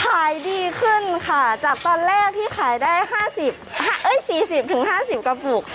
ขายดีขึ้นค่ะจากตอนแรกที่ขายได้๕๐๔๐๕๐กระปุก